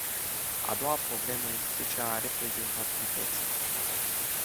A doua problemă este cea a reprezentativității.